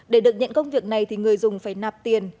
để được nhận công việc này thì người dùng phải nạp tiền